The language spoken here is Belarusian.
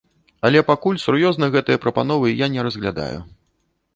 Але пакуль сур'ёзна гэтыя прапановы я не разглядаю.